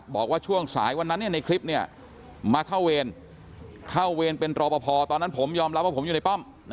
บอกว่าช่วงสายวันนั้นในคลิปมาเข้าเวรเข้าเวรเป็นรอปภตอนนั้นผมยอมรับว่าผมอยู่ในป้อม